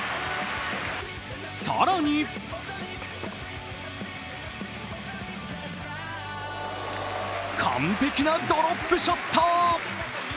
更に完璧なドロップショット。